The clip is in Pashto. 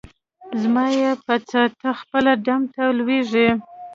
زما یی په څه؟ ته خپله ډم ته لویږي.